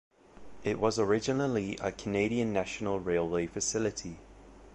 It was originally a Canadian National Railway facility.